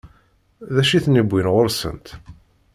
D acu i tent-iwwin ɣur-sent?